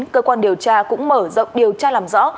cơ quan điều tra cũng mở rộng điều tra làm rõ